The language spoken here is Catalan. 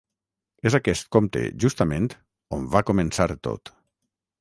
És aquest compte, justament, on va començar tot.